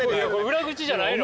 裏口じゃないの？